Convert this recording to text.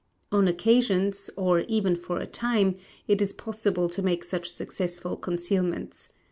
On occasions, or even for a time, it is possible to make such successful concealments.